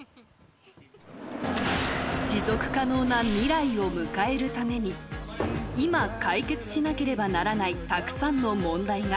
持続可能な未来を迎えるために、今、解決しなければならないたくさんの問題が。